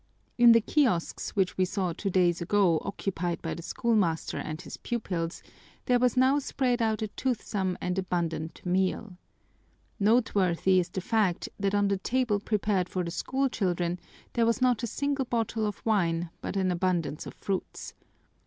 In the kiosks which we saw two days ago occupied by the schoolmaster and his pupils, there was now spread out a toothsome and abundant meal. Noteworthy is the fact that on the table prepared for the school children there was not a single bottle of wine but an abundance of fruits.